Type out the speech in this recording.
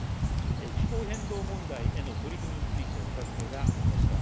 気候変動問題への取り組みについてお尋ねがありました。